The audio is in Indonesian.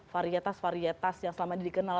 varietas varietas yang selama ini dikenal